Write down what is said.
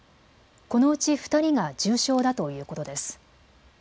このうち２人が重傷だということです。